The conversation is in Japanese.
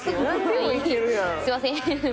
すいません。